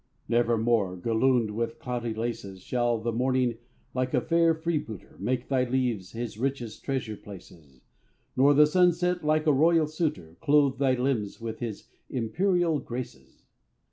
Nevermore, gallooned with cloudy laces, Shall the morning, like a fair freebooter, Make thy leaves his richest treasure places; Nor the sunset, like a royal suitor, Clothe thy limbs with his imperial graces.